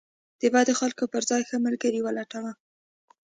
د بد خلکو پر ځای ښه ملګري ولټوه.